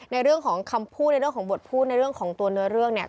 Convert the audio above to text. ในเรื่องของคำพูดในเรื่องของบทพูดในเรื่องของตัวเนื้อเรื่องเนี่ย